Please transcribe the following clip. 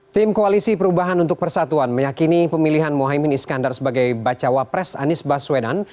tim koalisi perubahan untuk persatuan meyakini pemilihan mohaimin iskandar sebagai bacawa pres anies baswedan